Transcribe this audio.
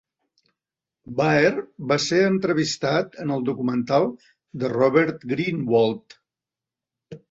Baer va ser entrevistat en el documental de Robert Greenwald "".